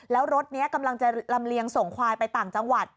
แล้วรถนี้กำลังจะลำเลียงส่งควายไปต่างจังหวัด